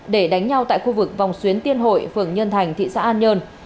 để đánh nhau tại khu vực vòng xuyến tiên hội phường nhân thành thị xã an nhơn